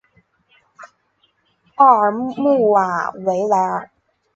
奥尔穆瓦维莱尔。